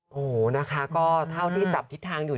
โอ้โหนะคะก็เท่าที่จับทิศทางอยู่